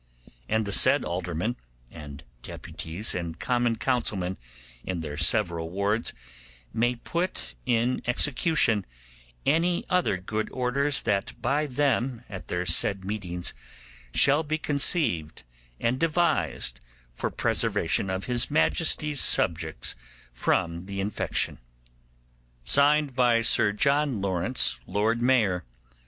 And the said aldermen, and deputies, and common councilmen in their several wards may put in execution any other good orders that by them at their said meetings shall be conceived and devised for preservation of his Majesty's subjects from the infection. 'SIR JOHN LAWRENCE, Lord Mayor.